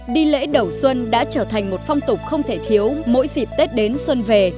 đi lễ đầu xuân đã trở thành một phong tục không thể thiếu mỗi dịp tết đến xuân về